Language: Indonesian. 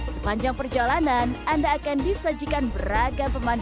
sepanjang perjalanan anda akan disajikan beragam pemandangan